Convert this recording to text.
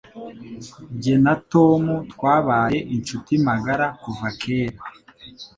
Jye na Tom twabaye inshuti magara kuva kera.